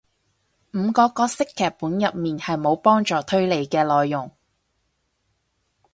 五個角色劇本入面係無幫助推理嘅內容